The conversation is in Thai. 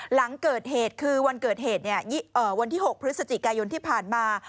หลังเกิดเหตุคือวันเกิดเหตุวันที่๖พฤศจิกายนที่ผ่านมา